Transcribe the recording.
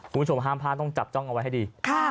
คุณผู้ชมห้ามพลาดต้องจับจ้องเอาไว้ให้ดี